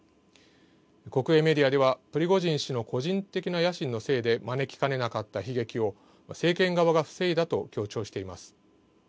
国営メディアではプリゴジン氏の個人的な野心のせいで招きかねなかった悲劇を政権側が防いだと強調しています。